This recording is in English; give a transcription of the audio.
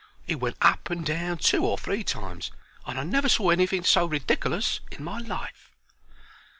He went up and down two or three times, and I never saw anything so ridikerlous in my life.